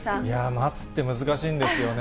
待つって難しいんですよね。